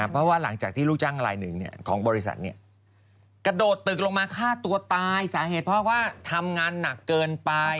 เพราะว่าหลังจากที่ลูกจ้างลายหนึ่งของบริษัทกระโดดตึกลงมาฆ่าตัวตายสาเหตุเพราะว่าทำงานหนักเกินไป